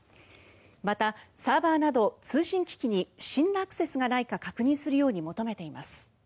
また、サーバーなど通信機器に不審なアクセスがないか確認するように求めています。